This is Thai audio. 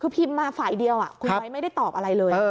คือพิมพ์มาฝ่ายเดียวคุณไว้ไม่ได้ตอบอะไรเลย